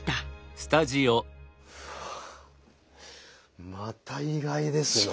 うわぁまた意外ですね。